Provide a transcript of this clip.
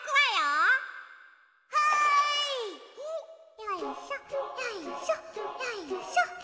よいしょよいしょよいしょ。